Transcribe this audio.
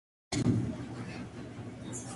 Su esposo, Jaime Colmenares, fue secuestrado.